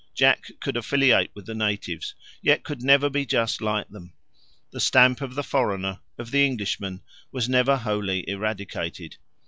Jack could affiliate with the natives, yet could never be just like them. The stamp of the foreigner, of the Englishman, was never wholly eradicated.